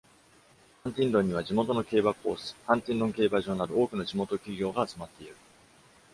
ハンティンドンには、地元の競馬コース、ハンティンドン競馬場など、多くの地元企業が集まっている。